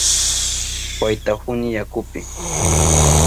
Waytahuni yakupi.